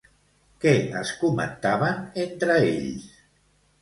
Què es comentaven entre ells?